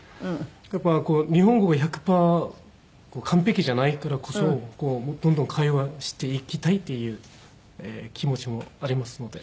やっぱ日本語が１００パー完璧じゃないからこそどんどん会話していきたいという気持ちもありますので。